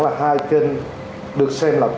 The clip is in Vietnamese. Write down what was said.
là hai kênh được xem là